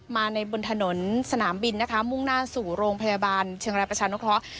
มาในบนถนนสนามบินนะคะมุ่งหน้าสู่โรงพยาบาลเชียงรายประชานุเคราะห์